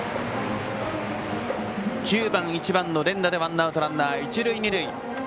９番、１番の連打でワンアウトランナー、一塁二塁。